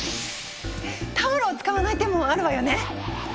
タオルを使わない手もあるわよね！